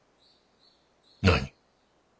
何？